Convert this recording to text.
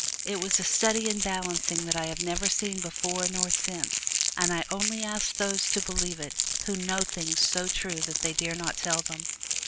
It was a study in balancing that I have never seen before nor since; and I only ask those to believe it who know things so true that they dare not tell them.